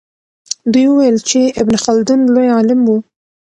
دوی وویل چې ابن خلدون لوی عالم و.